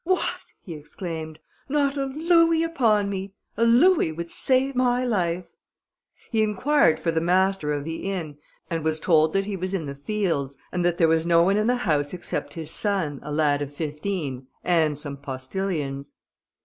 "What!" he exclaimed, "not a louis upon me! A louis would save my life." He inquired for the master of the inn, and was told that he was in the fields, and that there was no one in the house except his son, a lad of fifteen, and some postilions.